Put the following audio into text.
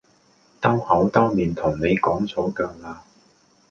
兜口兜面同你講咗㗎啦